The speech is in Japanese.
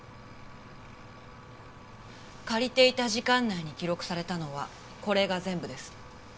借りていた時間内に記録されたのはこれが全部です。